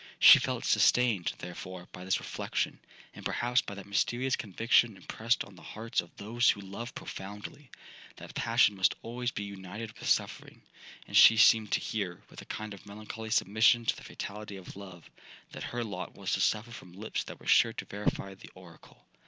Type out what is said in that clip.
She felt sustained, therefore, by this reflection,—and perhaps by that mysterious conviction impressed on the hearts of those who love profoundly—that passion must always be united with suffering; and she seemed to hear, with a kind of melancholy submission to the fatality of love, that her lot was to suffer from lips that were sure to verify the oracle.